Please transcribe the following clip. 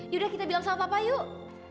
yaudah kita bilang sama papa yuk